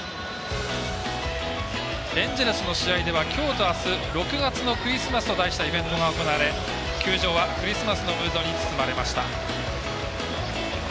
エンジェルスの試合ではきょうとあす６月のクリスマスと題したイベントが行われ球場はクリスマスのムードに包まれました。